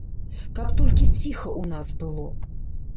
Каб толькі ціха ў нас было.